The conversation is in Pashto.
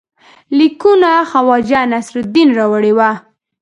لیکونه خواجه نصیرالدین راوړي وه.